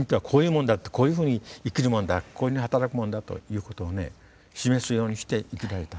こういうふうに生きるものだこういうふうに働くものだということを示すようにして生きられた。